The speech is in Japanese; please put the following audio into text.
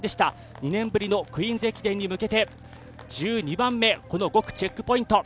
２年ぶりの「クイーンズ駅伝」に向けて１２番目この５区チェックポイント